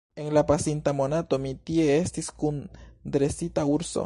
En la pasinta monato mi tie estis kun dresita urso.